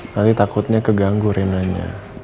nanti takutnya keganggu renanya